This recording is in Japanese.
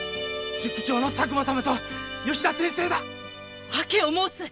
塾長の佐久間様と吉田先生だ訳を申せ聞いてない。